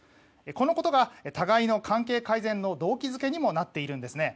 このことが、互いの関係改善の動機付けにもなっているんです。